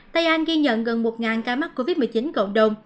tây an ghi nhận gần một trăm năm mươi một ca mắc covid một mươi chín trên cả nước